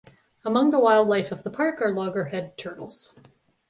Among the wildlife of the park are Loggerhead turtles.